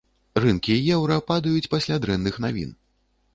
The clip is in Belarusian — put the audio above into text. Рынкі і еўра падаюць пасля дрэнных навін.